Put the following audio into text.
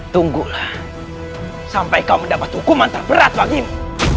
tunggulah sampai kau mendapat hukuman terberat bagimu